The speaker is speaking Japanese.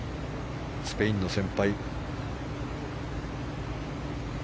スペインの先輩